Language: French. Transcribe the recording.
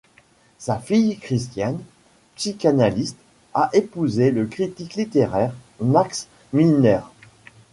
Sa fille Christiane, psychanalyste, a épousé le critique littéraire Max Milner.